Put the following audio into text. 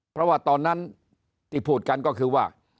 เพราะว่าตอนนั้นที่พูดกันก็คือว่า